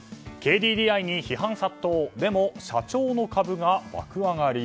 ＫＤＤＩに批判殺到でも社長の株が爆上がり。